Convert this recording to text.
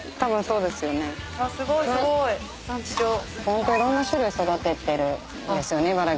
ホントいろんな種類育ててるんですよね茨城って。